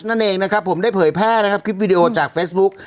นั่นเองนะครับผมได้เผยแพร่นะครับคลิปวิดีโอจากเฟซบุ๊ค